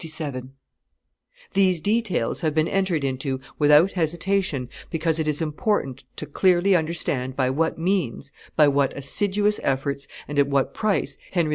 p. 667.] These details have been entered into without hesitation because it is important to clearly understand by what means, by what assiduous efforts, and at what price Henry IV.